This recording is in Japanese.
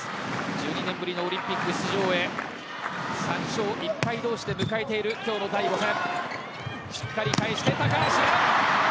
１２年ぶりのオリンピック出場へ３勝１敗同士で迎えている今日の第５戦。